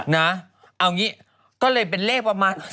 เอาอย่างนี้ก็เลยเป็นเลขประมาณ๔๘